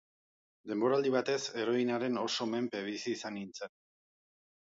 Denboraldi batez heroinaren oso menpe bizi izan nintzen.